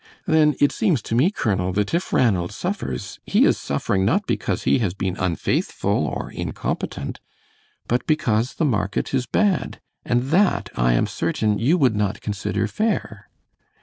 Then, it seems to me, Colonel, that if Ranald suffers he is suffering, not because he has been unfaithful or incompetent, but because the market is bad, and that I am certain you would not consider fair."